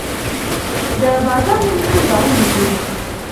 د بادامو نوي باغونه جوړیږي